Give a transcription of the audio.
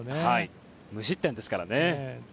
無失点ですからね。